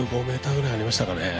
１５ｍぐらいありましたかね。